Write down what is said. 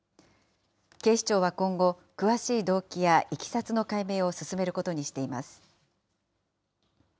警視庁は今後、詳しい動機やいきさつの解明を進めることにしています。